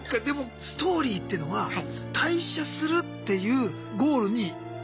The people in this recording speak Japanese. でもストーリーってのは退社するっていうゴールに。